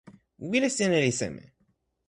wile sina li seme?